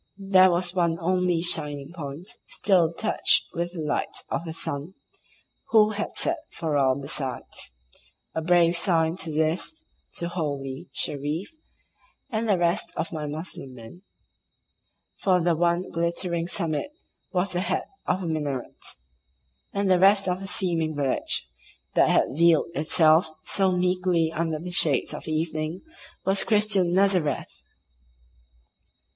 There was one only shining point still touched with the light of the sun, who had set for all besides; a brave sign this to "holy" Shereef and the rest of my Moslem men, for the one glittering summit was the head of a minaret, and the rest of the seeming village that had veiled itself so meekly under the shades of evening was Christian Nazareth!